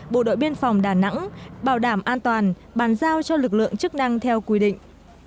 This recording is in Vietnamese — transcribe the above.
bộ đội biên phòng đà nẵng bảo đảm an toàn bàn giao cho lực lượng chức năng theo quy định